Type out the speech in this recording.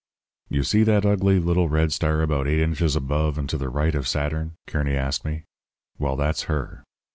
"'You see that ugly little red star about eight inches above and to the right of Saturn?' Kearny asked me. 'Well, that's her.